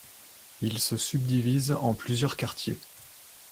Il se subdivise en plusieurs quartiers.